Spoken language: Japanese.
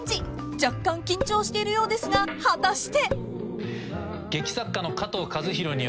［若干緊張しているようですが果たして！？］